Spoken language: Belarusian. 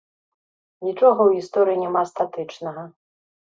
Нічога ў гісторыі няма статычнага.